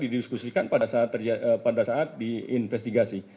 didiskusikan pada saat terjadi pada saat diinvestigasi